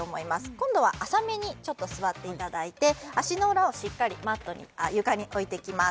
今度は浅めにちょっと座っていただいて足の裏をしっかり床に置いていきます